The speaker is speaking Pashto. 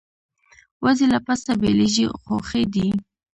وزې له پسه بېلېږي خو ښې دي